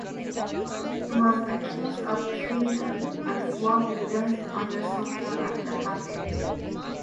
He was accused of treason and flogged to death under Sultan Abdelhafid.